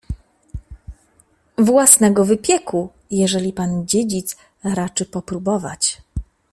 — Własnego wypieku, jeżeli pan dziedzic raczy popróbować.